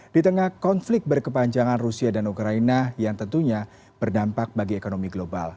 di tengah konflik berkepanjangan rusia dan ukraina yang tentunya berdampak bagi ekonomi global